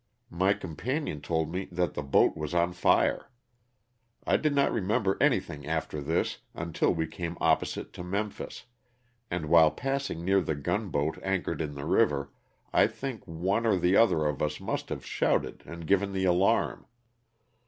My companion told me that the boat was on fire. I did not remember anything after this until we came opposite to Memphis, and while passing near the gunboat anchored in the river, I think one or the other of us must have shouted and given the alarm.